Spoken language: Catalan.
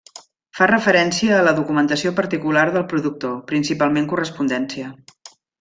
Fa referència a la documentació particular del productor, principalment correspondència.